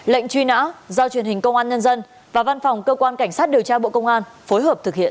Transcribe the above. lệnh truy nã do truyền hình công an nhân dân và văn phòng cơ quan cảnh sát điều tra bộ công an phối hợp thực hiện